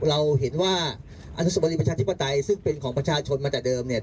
เราเห็นว่าอนุสวรีประชาธิปไตยซึ่งเป็นของประชาชนมาจากเดิมเนี่ย